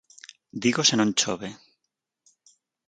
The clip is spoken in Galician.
Digo se non chove.